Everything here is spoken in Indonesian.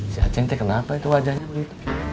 si acing teh kenapa itu wajahnya begitu